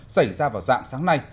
xảy ra vào dạng sáng nay